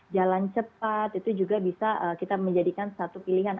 jalan cepat itu juga bisa kita menjadikan satu pilihan